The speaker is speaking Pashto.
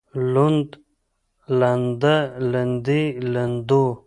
لوند لنده لندې لندو